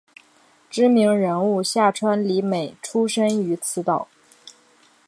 知名人物夏川里美出身于此岛。